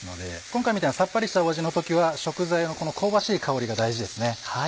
今回みたいなさっぱりした味の時は食材のこの香ばしい香りが大事ですね。